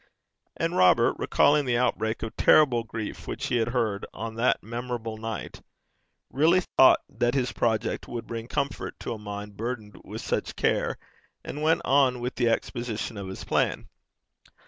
And Robert, recalling the outbreak of terrible grief which he had heard on that memorable night, really thought that his project would bring comfort to a mind burdened with such care, and went on with the exposition of his plan.